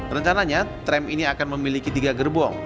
rencananya tram ini akan memiliki tiga gerbong